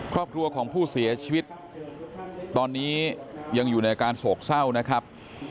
ครอบครัวของผู้เสียชีวิตตอนนี้ยังอยู่ในอาการโศกเศร้านะครับ